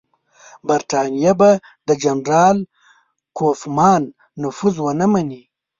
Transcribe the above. برټانیه به د جنرال کوفمان نفوذ ونه مني.